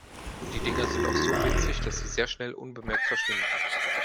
Die Dinger sind auch so winzig, dass sie sehr schnell unbemerkt verschwinden.